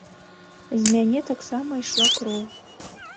З мяне таксама ішла кроў.